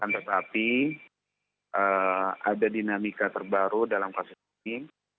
tetapi ada dinamika terbaru dalam kasus ini